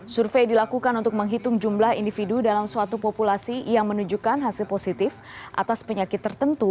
survei dilakukan untuk menghitung jumlah individu dalam suatu populasi yang menunjukkan hasil positif atas penyakit tertentu